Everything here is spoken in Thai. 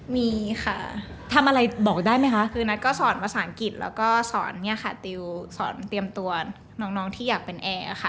มีค่ะทำอะไรบอกได้ไหมคะคือนัทก็สอนภาษาอังกฤษแล้วก็สอนเนี่ยค่ะติวสอนเตรียมตัวน้องที่อยากเป็นแอร์ค่ะ